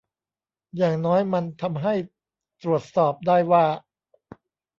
อย่างน้อยมันทำให้ตรวจสอบได้ว่า